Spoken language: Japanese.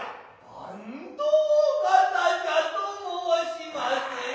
坂東方ぢやと申しまする。